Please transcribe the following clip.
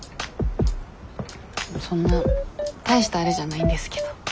そんな大したあれじゃないんですけど。